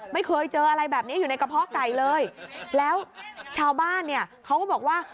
ไม่เคยเจออะไรแบบนี้อยู่ในกระเพาะไก่เลยแล้วชาวบ้านเนี่ยเขาก็บอกว่า